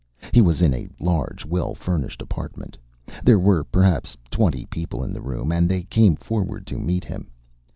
He was in a large, well furnished apartment. There were perhaps twenty people in the room, and they came forward to meet him.